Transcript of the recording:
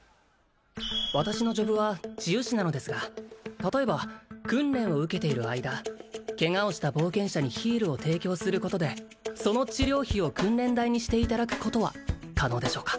私のジョブは治癒士なのですが例えば訓練を受けている間ケガをした冒険者にヒールを提供することでその治療費を訓練代にしていただくことは可能でしょうか？